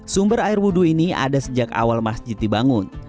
sumber air wudhu ini ada sejak awal masjid dibangun